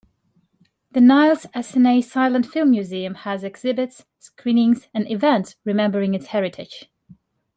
The Niles Essanay Silent Film Museum has exhibits, screenings, and events remembering its heritage.